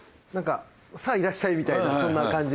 さあいらっしゃいみたいなそんな感じ。